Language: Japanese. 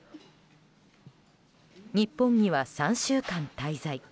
日本には３週間滞在。